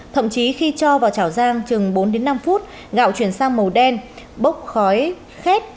thậm chí khi cho vào chảo giang chừng bốn đến năm phút gạo chuyển sang màu đen bốc khói khét